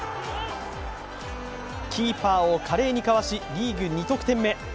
キーパーを華麗にかわし、リーグ２得点目。